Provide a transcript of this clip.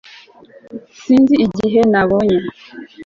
sinzi igihe nabonye